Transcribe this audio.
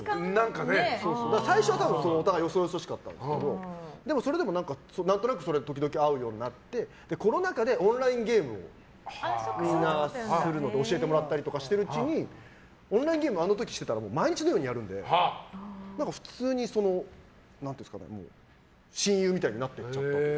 最初はお互いよそよそしかったんですけど何となく時々会うようになってコロナ禍でオンラインゲームをみんなするので教えてもらったりするうちにオンラインゲーム、あの時毎日のようにやるので普通に親友みたいになってちゃって。